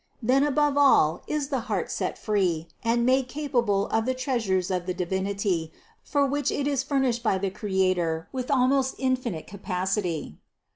Then above all is the heart set free and made capable of the treasures of the Divinity, for which it is furnished by the Creator with almost infinite capacity.